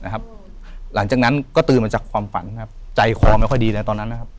หลังจากนั้นก็ตื่นมาจากความฝันครับใจคอไม่ค่อยดีเลยตอนนั้นนะครับ